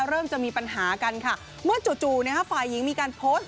เริ่มจะมีปัญหากันค่ะเมื่อจู่ฝ่ายหญิงมีการโพสต์